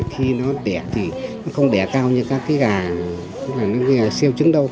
khi nó đẻ thì nó không đẻ cao như các cái gà siêu trứng đâu